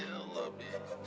ya allah mi